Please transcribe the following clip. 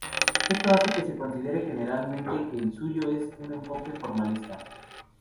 Esto hace que se considere generalmente que el suyo es un enfoque formalista.